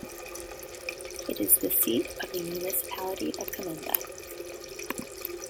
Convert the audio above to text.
It is the seat of the Municipality of Komenda.